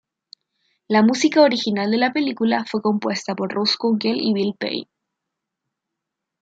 La música original de la película fue compuesta por Russ Kunkel y Bill Payne.